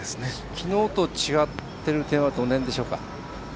きのうと違っている点はどの辺でしょうか。